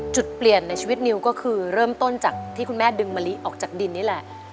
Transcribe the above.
จุดเปลี่ยนในชีวิตนิวก็คือเริ่มต้นจากที่คุณแม่ดึงมะลิออกจากดินนี่แหละ